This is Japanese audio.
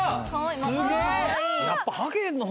すげえ！